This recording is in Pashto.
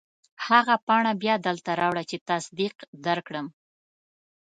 هغه پاڼه بیا دلته راوړه چې تصدیق درکړم.